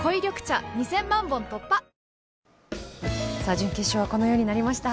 準決勝はこのようになりました。